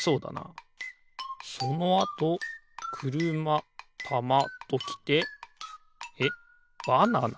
そのあとくるまたまときてえっバナナ？